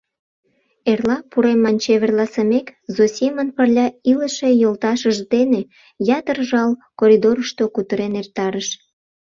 Эрла пурем ман чеверласымек, Зосимын пырля илыше йолташыж дене ятыр жал коридорышто кутырен эртарыш.